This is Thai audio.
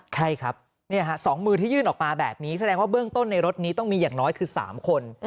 ใช่ครับ๒มือที่ยื่นออกมาแบบนี้แสดงว่าเบื้องต้นในรถนี้ต้องมีอย่างน้อยคือ๓คน